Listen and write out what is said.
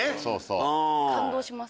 感動します。